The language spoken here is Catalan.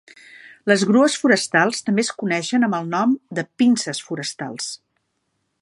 Les grues forestals també es coneixen amb el nom de pinces forestals.